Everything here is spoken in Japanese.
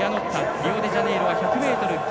リオデジャネイロは１００ｍ、金。